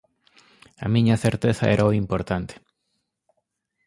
A miña certeza era o importante.